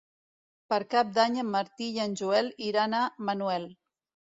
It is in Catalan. Per Cap d'Any en Martí i en Joel iran a Manuel.